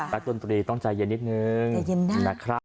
นักรนตรีต้องใจเย็นนิดนึง